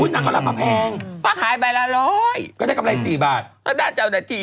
อุ้ยนางก็รับมาแพงเพราะขายใบละ๑๐๐ก็ได้กำไร๔บาท